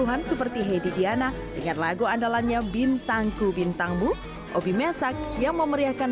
delapan puluh an seperti heidi diana dengan lagu andalannya bintangku bintangmu oby mesak yang memeriahkan